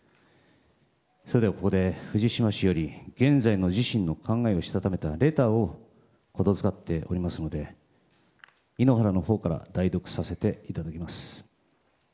それでは、ここで藤島氏より現在の自身の意思をしたためたレターをことづかっておりますので井ノ原のほうから代読させていただきます。